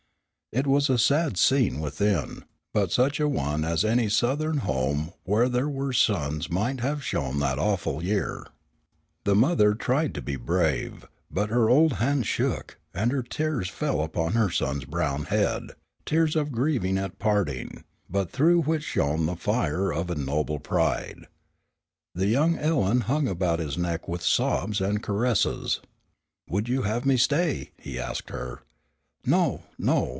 It was a sad scene within, but such a one as any Southern home where there were sons might have shown that awful year. The mother tried to be brave, but her old hands shook, and her tears fell upon her son's brown head, tears of grief at parting, but through which shone the fire of a noble pride. The young Ellen hung about his neck with sobs and caresses. "Would you have me stay?" he asked her. "No! no!